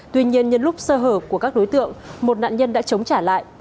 tuy nhiên nhân lúc sơ hở của các đối tượng một nạn nhân đã chống trả lại